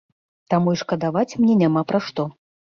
Таму і шкадаваць мне няма пра што.